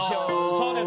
そうです